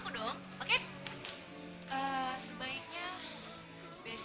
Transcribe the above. tolong aku ya allah